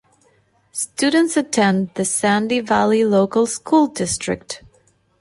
Students attend the Sandy Valley Local School District.